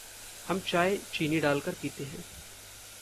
हम चाय चीनी डालकर पीते हैं।